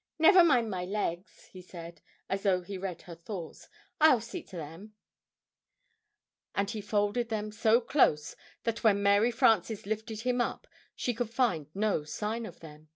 "] "Never mind my legs," he said, as though he read her thoughts, "I'll see to them," and he folded them up so close that when Mary Frances lifted him up, she could find no sign of them.